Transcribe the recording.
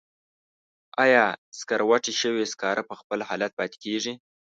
آیا سکروټې شوي سکاره په خپل حالت پاتې کیږي؟